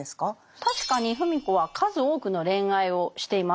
確かに芙美子は数多くの恋愛をしています。